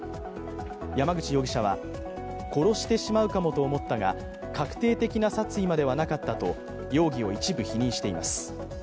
山口容疑者は殺してしまうかもと思ったが確定的な殺意まではなかったと、容疑を一部否認しています。